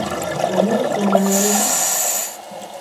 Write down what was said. Komuch kongololchin